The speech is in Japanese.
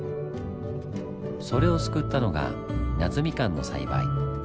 それを救ったのが夏みかんの栽培。